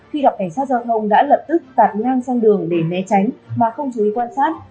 khi gặp cảnh sát giao thông đã lập tức tạt ngang sang đường để né tránh mà không chú ý quan sát